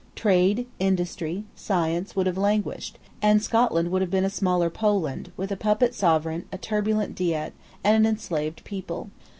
Trade, industry, science, would have languished; and Scotland would have been a smaller Poland, with a puppet sovereign, a turbulent diet, and an enslaved people.